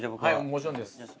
もちろんです。